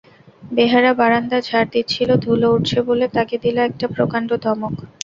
বেহারা বারান্দা ঝাড় দিচ্ছিল, ধুলো উড়ছে বলে তাকে দিল একটা প্রকাণ্ড ধমক।